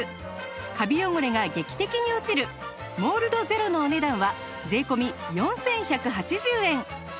カビ汚れが劇的に落ちるモールドゼロのお値段は税込４１８０円